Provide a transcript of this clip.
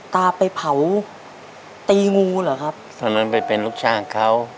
ตาไปเผาตีงูเหรอครับตอนนั้นไปเป็นลูกจ้างเขา